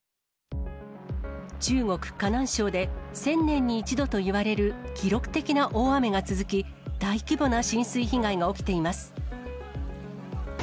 中国・河南省で、１０００年に１度といわれる記録的な大雨が続き、大規模な浸水被害が起きています。